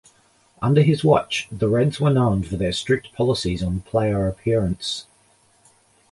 Under his watch, the Reds were known for their strict policies on player appearance.